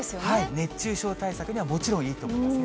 熱中症対策にはもちろんいいと思いますね。